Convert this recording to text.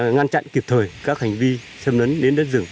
ngăn chặn kịp thời các hành vi xâm lấn đến đất rừng